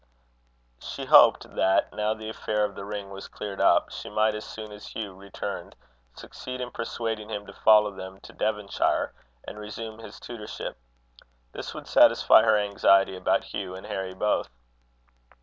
She hoped that, now the affair of the ring was cleared up, she might, as soon as Hugh returned, succeed in persuading him to follow them to Devonshire, and resume his tutorship. This would satisfy her anxiety about Hugh and Harry both.